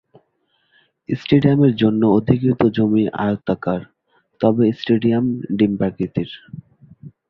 স্টেডিয়ামের জন্য অধিকৃত জমি আয়তাকার তবে স্টেডিয়াম ডিম্বাকৃতির।